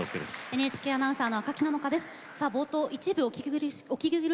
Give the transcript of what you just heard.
ＮＨＫアナウンサーの赤木野々花です。